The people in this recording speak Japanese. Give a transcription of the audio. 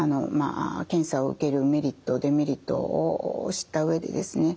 検査を受けるメリットデメリットを知った上でですね